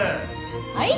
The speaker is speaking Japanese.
はい？